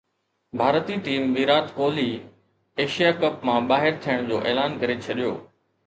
ڀارتي team Virat Kohli Asia Cup مان ٻاهر ٿيڻ جو اعلان ڪري ڇڏيو